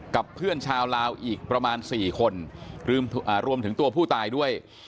กับเพื่อนชาวลาวอีกประมาณ๔คนรวมถึงตัวผู้ตายด้วย